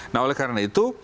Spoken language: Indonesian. nah oleh karena itu